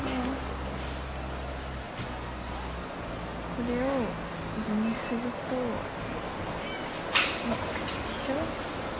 これを図にするとでしょ。